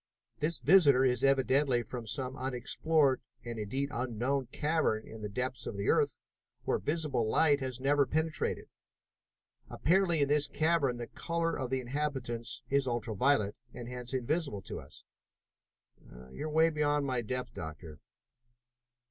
This visitor is evidently from some unexplored and, indeed, unknown cavern in the depths of the earth where visible light has never penetrated. Apparently in this cavern the color of the inhabitants is ultra violet, and hence invisible to us." "You are beyond my depth, Doctor."